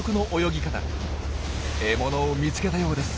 獲物を見つけたようです。